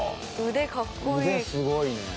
腕すごいね。